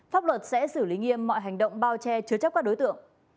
pháp luật sẽ xử lý nghiêm mọi hành động